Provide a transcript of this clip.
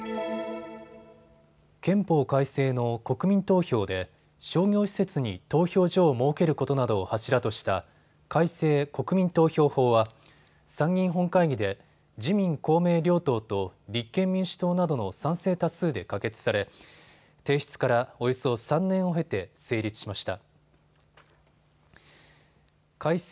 憲法改正の国民投票で商業施設に投票所を設けることなどを柱とした改正国民投票法は参議院本会議で自民公明両党と立憲民主党などの賛成多数で可決され提出からおよそ３年を経て成立しました。